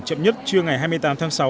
chậm nhất trưa ngày hai mươi tám tháng sáu